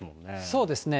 そうですね。